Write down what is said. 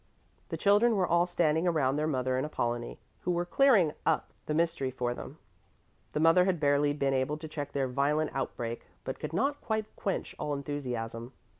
The children were all standing around their mother and Apollonie, who were clearing up the mystery for them. The mother had barely been able to check their violent outbreak, but could not quite quench all enthusiasm.